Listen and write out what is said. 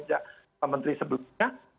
pak menteri sebelumnya